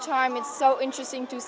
tôi muốn nói về hà nội